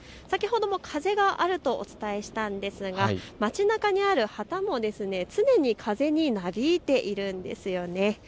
先ほども風があるとお伝えしたんですが街なかにある旗も常に風になびいているんですよね。